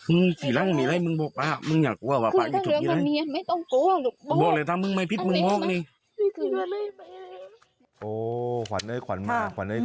โอ้ขวานเนยขวานมากขวานเนยขวานมาก